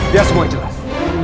biar semua jelas